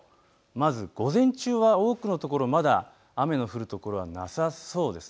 まず午前中は多くの所まだ雨の降る所はなさそうです。